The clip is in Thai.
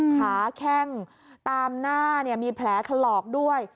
แข้งตามหน้ามีแผลถลอกด้วย